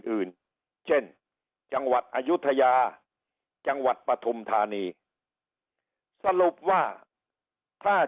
อื่นเช่นจังหวัดอายุทยาจังหวัดปฐุมธานีสรุปว่าถ้า